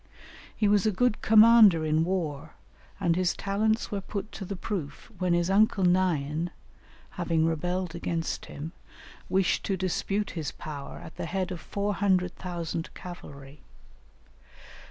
He was a good commander in war, and his talents were put to the proof when his uncle Naïan, having rebelled against him, wished to dispute his power at the head of 400,000 cavalry.